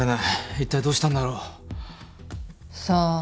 一体どうしたんだろう？さあ。